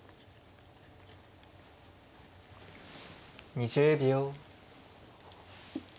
２０秒。